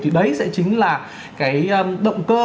thì đấy sẽ chính là cái động cơ